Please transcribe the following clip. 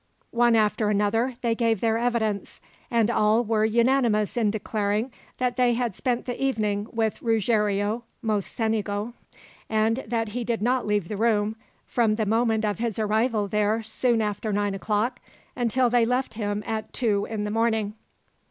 One after another they gave their evidence, and all were unanimous in declaring that they had spent the evening with Ruggiero Mocenigo, and that he did not leave the room, from the moment of his arrival there soon after nine o'clock, until they left him at two in the morning.